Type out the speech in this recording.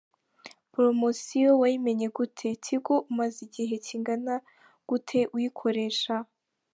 Promosiyo wayimenye gute? Tigo umaze igihe kingana gute iyikoresha?.